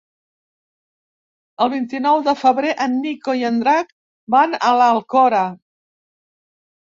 El vint-i-nou de febrer en Nico i en Drac van a l'Alcora.